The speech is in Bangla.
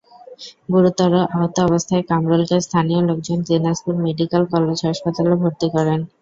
গুরুতর আহত অবস্থায় কামরুলকে স্থানীয় লোকজন দিনাজপুর মেডিকেল কলেজ হাসপাতালে ভর্তি করেন।